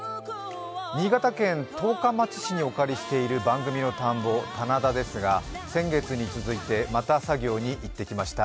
新潟県十日町市にお借りしている番組の田んぼ、棚田ですが、先月に続いてまた作業に行ってきました。